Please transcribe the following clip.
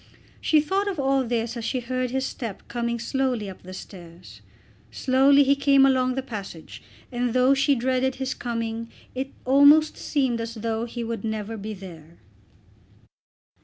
She thought of all this as she heard his step coming slowly up the stairs. Slowly he came along the passage, and though she dreaded his coming it almost seemed as though he would never be there.